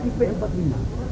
dengan harga sepertinya